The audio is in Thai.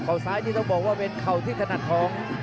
เขาซ้ายนี่ต้องบอกว่าเป็นเข่าที่ถนัดของ